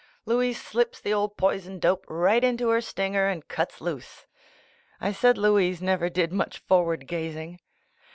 Louise slips the old poison dope right into her stinger and cuts loose. I said Louise never did much forward gazing.